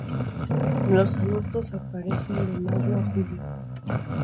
Los adultos aparecen de mayo a julio.